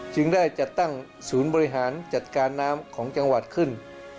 จึงได้จัดตั้งศูนย์บริหารจัดการน้ำของจังหวัดขึ้น